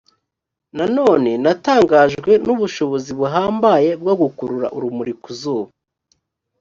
nanone natangajwe n’ ubushobozi buhambaye bwo gukurura urumuri kuzuba.